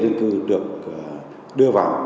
dân cư được đưa vào